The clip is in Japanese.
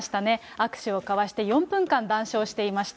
握手を交わして、４分間談笑していました。